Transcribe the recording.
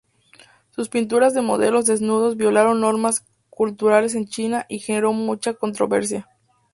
Sus pinturas de modelos desnudos violaron normas culturales en China y generó mucha controversia.